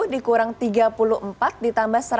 lima puluh dikurang tiga puluh empat ditambah satu ratus tiga